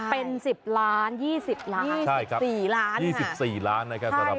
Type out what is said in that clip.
เป็น๑๐ล้าน๓๔ล้านนะครับ